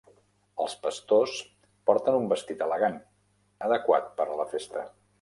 Els pastors porten un vestit elegant, adequat per la festa.